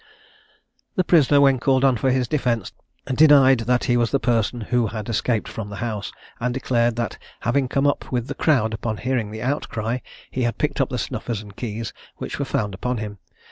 The prisoner, when called on for his defence, denied that he was the person who had escaped from the house, and declared that having come up with the crowd upon hearing the outcry, he had picked up the snuffers and keys, which were found upon him.